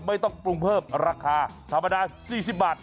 ไม่ต้องปรุงเพิ่มราคาธรรมดา๔๐บาท